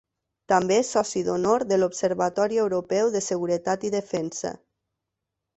També és soci d'honor de l'Observatori Europeu de Seguretat i Defensa.